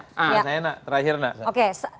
saya enak terakhir nak